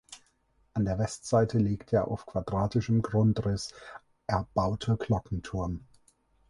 An der Westseite liegt der auf quadratischem Grundriss erbaute Glockenturm.